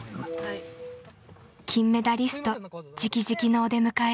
金メダリストじきじきのお出迎え。